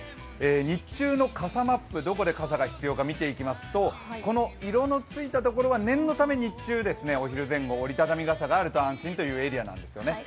日中の傘マップ、どこで傘が必要か見ていきますと色のついたところは念のため日中、折り畳み傘があると安心というエリアなんですよね。